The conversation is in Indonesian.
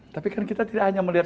tapi kan kita tidak hanya melihat